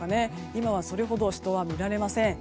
今はそれほど人は見られません。